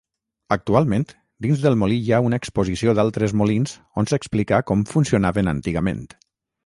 Actualment, dins del molí hi ha una exposició d'altres molins on s'explica com funcionaven antigament.